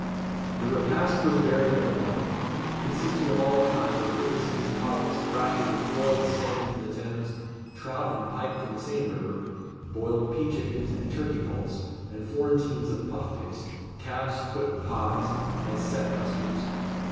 The repast was varied and abundant, consisting of all kinds of fricassees, collops and rashers, boiled salmon from the Thames, trout and pike from the same river, boiled pea chickens, and turkey poults, and florentines of puff paste, calves foot pies, and set custards.